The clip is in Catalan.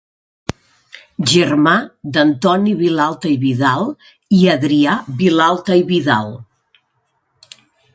Germà d'Antoni Vilalta i Vidal i Adrià Vilalta i Vidal.